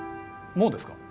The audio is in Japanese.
もうですか？